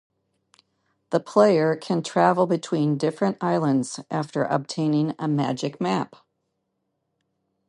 The player can travel between different islands after obtaining a magic map.